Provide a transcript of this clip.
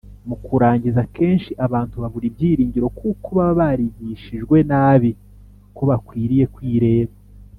Mu kurangiza , akenshi abantu babura ibyiringiro kuko baba barigishijwe nabi ko bakwiriye kwireba